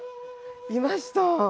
いました！